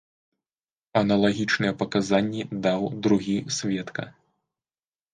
Аналагічныя паказанні даў другі сведка.